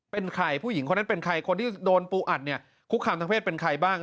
เป็นใครผู้หญิงคนนั้นเป็นใครคนที่โดนปูอัดเนี่ยคุกคามทางเพศเป็นใครบ้าง